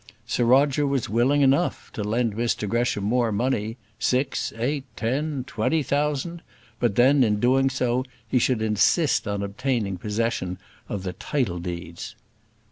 Sir Roger was willing enough to lend Mr Gresham more money six, eight, ten, twenty thousand; but then, in doing so, he should insist on obtaining possession of the title deeds.